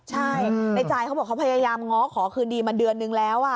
ใช่ในใจเขาบอกเขาพยายามง้อขอคืนดีมาเดือนนึงแล้ว